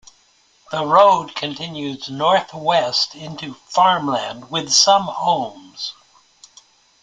The road continues northwest into farmland with some homes.